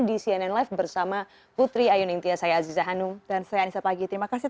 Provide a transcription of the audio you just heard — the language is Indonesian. di cnn live bersama putri ayu nintia saya aziza hanum dan saya anissa pagi terima kasih